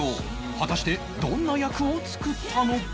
果たしてどんな役を作ったのか？